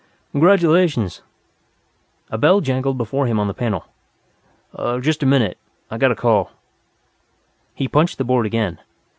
Congratulations!" A bell jangled before him on the panel. "Just a minute. I've got a call." He punched the board again.